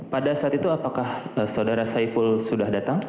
pada saat itu apakah saudara saiful sudah datang